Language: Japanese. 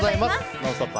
「ノンストップ！」